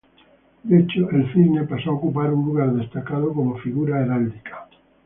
De hecho, el cisne pasó a ocupar un lugar destacado como figura heráldica.